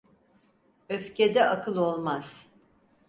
Öfkede akıl olmaz.